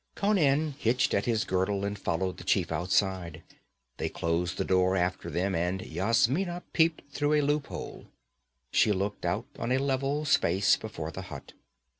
Conan hitched at his girdle and followed the chief outside. They closed the door after them, and Yasmina peeped through a loop hole. She looked out on a level space before the hut.